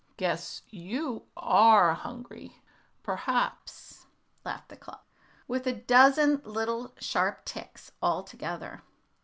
"Guess you are hungry, perhaps," laughed the clock, with a dozen little sharp ticks all together.